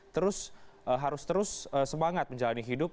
terus harus terus semangat menjalani hidup